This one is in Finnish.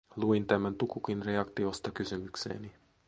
Luin tämän Tukukin reaktiosta kysymykseeni.